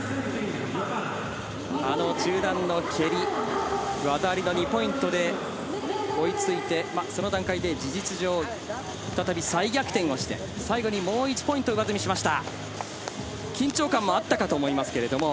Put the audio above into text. あの中段の蹴り、技ありの２ポイントで追いついて、その段階で事実上、再び逆転をして最後にもう１ポイント上積みしました。